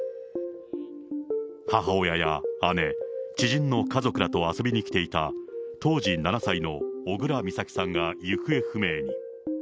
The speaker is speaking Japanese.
母親や姉、知人の家族らと遊びに来ていた、当時７歳の小倉美咲さんが行方不明に。